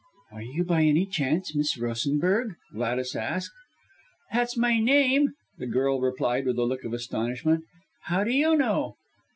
"Are you by any chance Miss Rosenberg?" Gladys asked. "That's my name," the girl replied with a look of astonishment. "How do you know?"